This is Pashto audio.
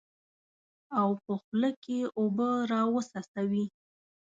او په خوله کې اوبه راوڅڅوي.